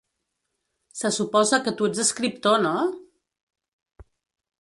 Se suposa que tu ets escriptor, no?